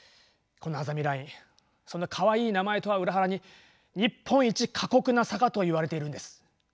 このあざみラインそんなかわいい名前とは裏腹に日本一過酷な坂といわれているんです。